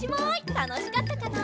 たのしかったかな？